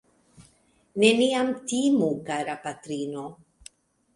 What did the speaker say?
Neniam timu, kara patrino!